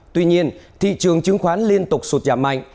tuy nhiên thị trường chứng khoán liên tục sụt giảm mạnh